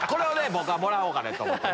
僕はもらおうかと思う。